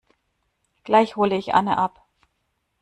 Gleich hole ich Anne ab.